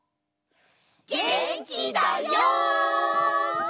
げんきだよ！